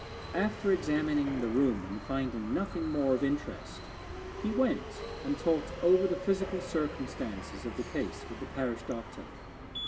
After examining the room and finding nothing more of interest, he went and talked over the physical circumstances of the case with the parish doctor.